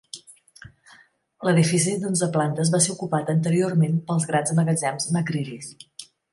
L'edifici d'onze plantes va ser ocupat anteriorment pels grans magatzems McCreery's.